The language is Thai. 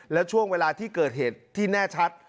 แล้วช่วงเวลาที่เกิดเหตุที่แน่ชัด